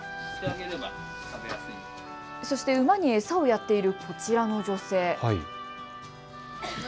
そして馬に餌をやっているこちらの女性。